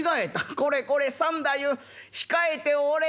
これこれ三太夫控えておれ」。